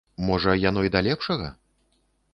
Можа, яно і да лепшага?